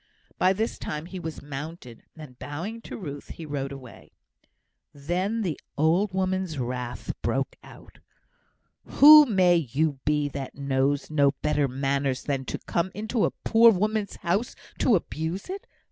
By this time he was mounted, and, bowing to Ruth, he rode away. Then the old woman's wrath broke out. "Who may you be, that knows no better manners than to come into a poor woman's house to abuse it?